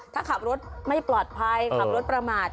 ถ้าขับรถไม่ปลอดภัยขับรถประมาท